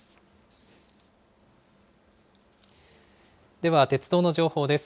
では鉄道の情報です。